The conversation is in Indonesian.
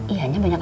ianya banyak amat